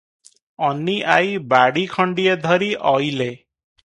ଅନୀ ଆଈ ବାଡ଼ି ଖଣ୍ଡିଏ ଧରି ଅଇଲେ ।